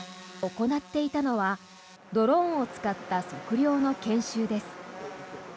行っていたのはドローンを使った測量の研修です。